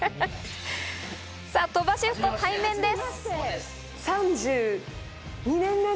さぁ鳥羽シェフと対面です。